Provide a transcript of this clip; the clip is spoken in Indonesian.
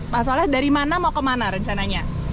pak soleh dari mana mau ke mana rencananya